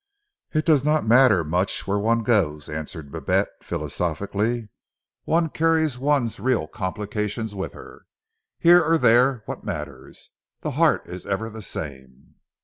"It does not matter much where one goes," answered Babette philosophically, "one carries one's real complications with her. Here or there what matters? The heart is ever the same."